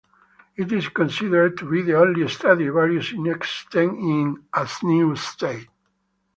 It is considered to be the only Stradivarius in existence in "as new" state.